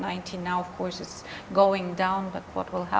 apa yang akan terjadi di indonesia